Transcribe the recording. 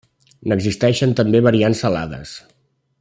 N'existeixen també variants salades.